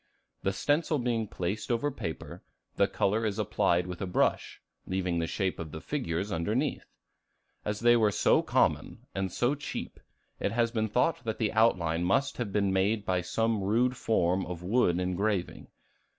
The stencil being placed over paper, the color is applied with a brush, leaving the shape of the figures underneath. As they were so common and so cheap, it has been thought that the outline must have been made by some rude form of wood engraving.